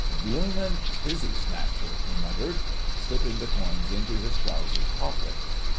"Bloomin' tizzy snatcher," he muttered, slipping the coins into his trousers pocket.